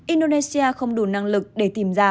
indonesia không đủ năng lực để tìm ra